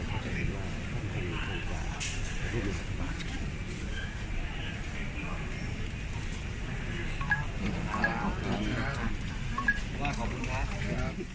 และเข้าใจกันมาทั้งที่สำหรับผู้บุญธรรมบาล